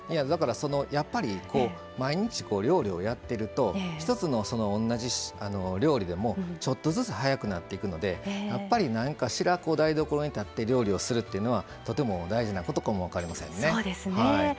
やっぱり毎日料理をやっていると一つの同じ料理でもちょっとずつ早くなっていくのでやっぱり、何かしら台所に立って料理をするっていうのはとても大事なことかも分かりませんね。